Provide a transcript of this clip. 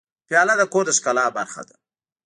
پیاله د کور د ښکلا برخه ده.